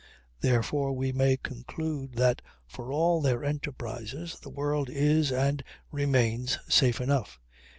Therefore we may conclude that, for all their enterprises, the world is and remains safe enough.